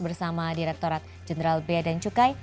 bersama direkturat jenderal b a dan cukai